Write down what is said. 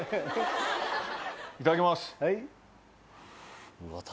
いただきます。